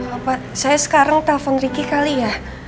apa saya sekarang telepon riki kali ya